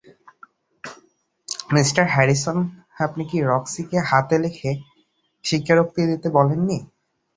Mister Harrison, আপনি কি রক্সিকে হাতে লেখে স্বীকারোক্তি দিতে বলেননি?